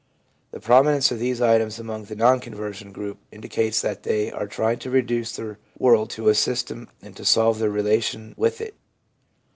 The prominence of these items among the non conversion group indicates that they are trying to reduce their world to a system and to solve their relation with it.